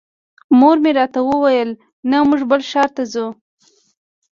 مور مې راته وویل نه موږ بل ښار ته ځو.